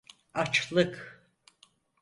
Açlık…